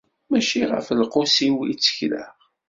Mačči ɣef lqus-iw i ttekleɣ.